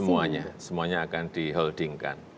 semuanya semuanya akan diholdingkan